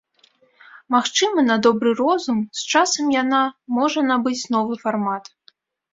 Магчыма, на добры розум, з часам яна можа набыць новы фармат.